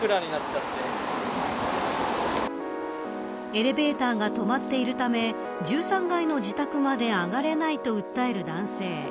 エレベーターが止まっているため１３階の自宅まで上がれないと訴える男性。